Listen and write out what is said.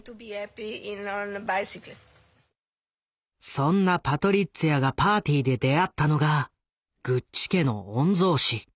そんなパトリッツィアがパーティーで出会ったのがグッチ家の御曹子。